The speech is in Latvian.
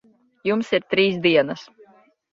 Jums ir trīs dienas.